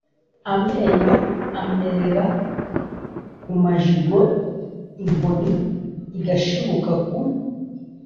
amenyo amerera ku majigo, inkoni igashibuka ku